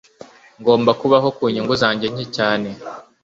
Ngomba kubaho ku nyungu zanjye nke cyane.